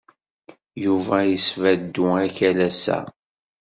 Yuba isbadu akalas-a.